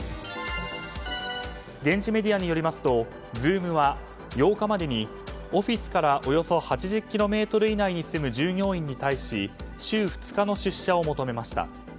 現地メディアによりますとズームは８日までに、オフィスからおよそ８０ｋｍ以内に住む従業員に対し週２日の出社を求めました。